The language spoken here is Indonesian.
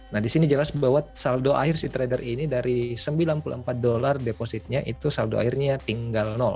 nah disini jelas bahwa saldo akhir si trader ini dari sembilan puluh empat usd depositnya itu saldo akhirnya tinggal